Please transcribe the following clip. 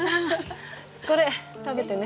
これ食べてね。